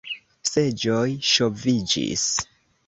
Seĝoj ŝoviĝis.